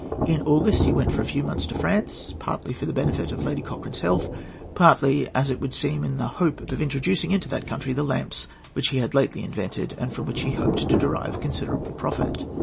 In August he went for a few months to France, partly for the benefit of Lady Cochrane's health, partly, as it would seem, in the hope of introducing into that country the lamps which he had lately invented, and from which he hoped to derive considerable profit.